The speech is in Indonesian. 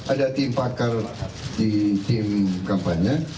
ada tim pakar di tim kampanye